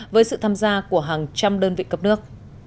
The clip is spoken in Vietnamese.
với sự tham gia của hàng trăm đơn vị cấp nước